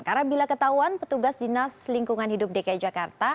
karena bila ketahuan petugas dinas lingkungan hidup dki jakarta